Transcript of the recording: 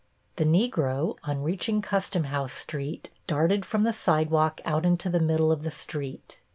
The Negro, on reaching Customhouse Street, darted from the sidewalk out into the middle of the street.